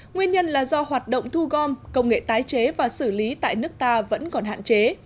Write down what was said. nguyên nhân là do hoạt động thu gom công nghệ tái chế và xử lý tại nước ta vẫn còn hạn chế